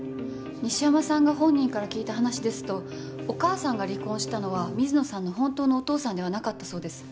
西山さんが本人から聞いた話ですとお母さんが離婚したのは水野さんの本当のお父さんではなかったそうです。